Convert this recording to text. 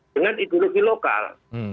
dengan ideologi lokal